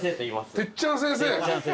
てっちゃん先生。